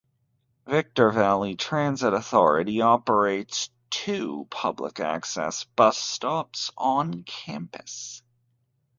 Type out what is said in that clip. Victor Valley Transit Authority operates two public-access bus stops on campus.